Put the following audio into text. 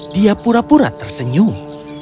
dia pura pura tersenyum